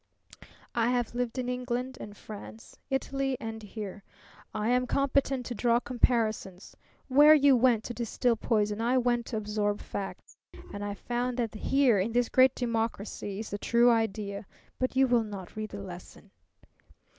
"I have lived in England, France, Italy, and here. I am competent to draw comparisons. Where you went to distill poison I went to absorb facts. And I found that here in this great democracy is the true idea. But you will not read the lesson."